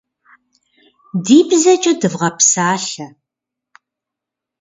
Ди бзэкӏэ дывгъэпсалъэ!